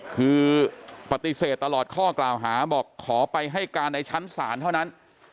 คือปฏิเสธตลอดข้อกล่าวหาบอกขอไปให้การในชั้นศาลเท่านั้น